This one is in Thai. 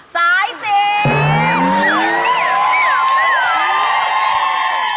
สายสิน